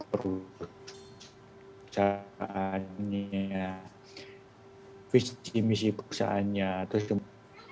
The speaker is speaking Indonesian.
perusahaannya visi misi perusahaannya atau semua